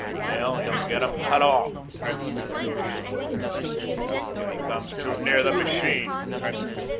Well, he'll get 'em cut off," he cried with sudden fierceness, "if he comes too near the machine."